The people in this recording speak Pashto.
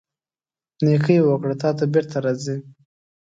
نیکۍ وکړه، له تا ته بیرته راځي.